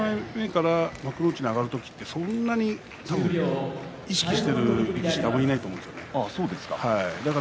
十枚目から幕内に上がる時はそんなに意識している人は誰もいないと思うんですよね。